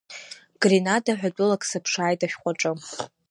Гренада ҳәа тәылак сыԥшааит ашәҟәаҿы.